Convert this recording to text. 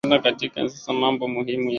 Mambo muhimu ya tamko hili ni kwamba